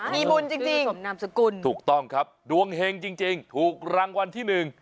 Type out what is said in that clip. มีบุญจริงจริงสมนามสกุลถูกต้องครับดวงเฮงจริงจริงถูกรางวัลที่หนึ่ง